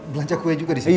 belanja kue juga di sini